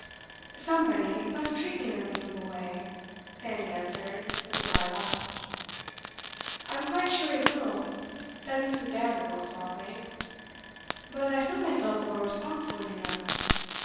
'Somebody must treat me in a reasonable way,' Fanny answered, with a dry laugh. 'I'm quite sure he will,' said Mrs. Damerel suavely. 'But I feel myself a little responsible, you know.